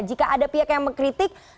jika ada pihak yang mengkritik